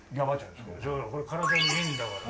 そうこれ体にいいんだから。